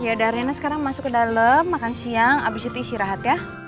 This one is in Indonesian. ya udah rina sekarang masuk ke dalam makan siang abis itu isi rahat ya